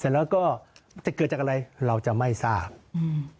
แล้วก็จะเกิดจากอะไรเราจะไม่ทราบอืม